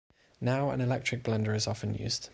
Now an electric blender is often used.